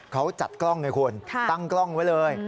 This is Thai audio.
เขาจัดกล้องไงคุณตั้งกล้องไว้เลย